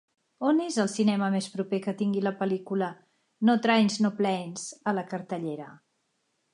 on és el cinema més proper que tingui la pel·lícula "No Trains No Planes" a la cartellera